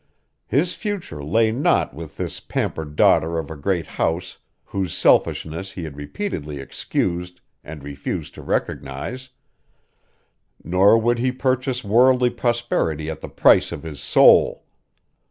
His future lay not with this pampered daughter of a great house whose selfishness he had repeatedly excused and refused to recognize; nor would he purchase worldly prosperity at the price of his soul.